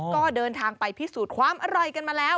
ก็เดินทางไปพิสูจน์ความอร่อยกันมาแล้ว